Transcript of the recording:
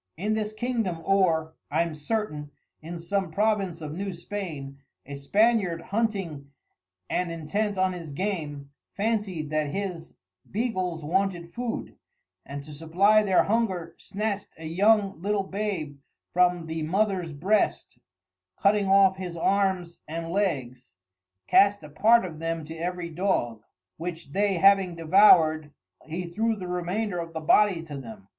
In this Kingdom or (I'm certain) in some Province of New Spain, A Spaniard Hunting and intent on his game, phancyed that his Beagles wanted food; and to supply their hunger snatcht a young little Babe from the Mothers breast, cutting off his Arms and Legs, cast a part of them to every Dog, which they having devour'd, he threw the remainder of the Body to them.